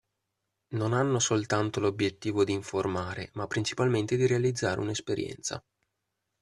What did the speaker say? Non hanno soltanto l'obbiettivo di informare, ma principalmente di realizzare una esperienza.